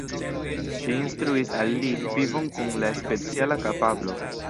Ŝi instruis al li vivon kun la speciala kapablo.